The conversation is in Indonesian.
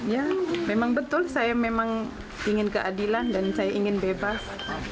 ya memang betul saya memang ingin keadilan dan saya ingin bebas